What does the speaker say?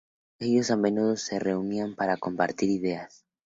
Ellos a menudo se reunían para compartir ideas.